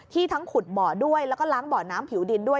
ทั้งขุดบ่อด้วยแล้วก็ล้างบ่อน้ำผิวดินด้วย